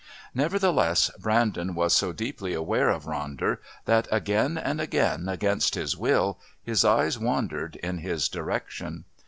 Nevertheless, Brandon was so deeply aware of Ronder that again and again, against his will, his eyes wandered in his direction.